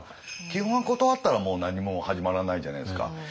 基本は断ったらもう何も始まらないじゃないですか。